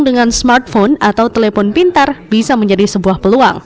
dengan smartphone atau telepon pintar bisa menjadi sebuah peluang